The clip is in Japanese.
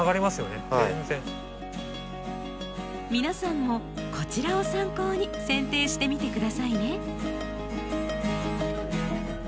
皆さんもこちらを参考にせん定してみて下さいね。